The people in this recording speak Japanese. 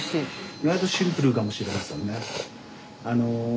意外とシンプルかもしれませんね。